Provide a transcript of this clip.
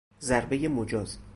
ضربهی مجاز